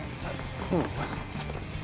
うん。